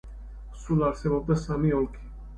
სულ არსებობდა სამი ასეთი ოლქი.